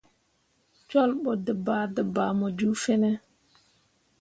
Jolɓo dǝbaadǝbaa mu ju fine.